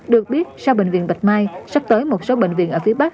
được biết sau bệnh viện bạch mai sắp tới một số bệnh viện ở phía bắc